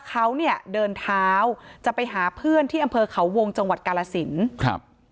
เขาเนี่ยเดินเท้าจะไปหาเพื่อนที่อำเภอเขาวงจังหวัดกาลสินครับ